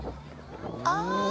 ああ！